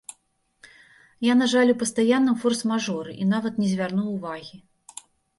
Я, на жаль, у пастаянным форс-мажоры, і нават не звярнуў увагі.